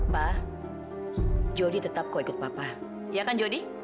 pak jodi tetap kok ikut papa iya kan jodi